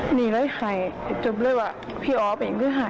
หนีไล่ไห่จบเลยว่าพี่ออฟเองก็ไห่